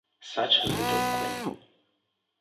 Such a Little Queen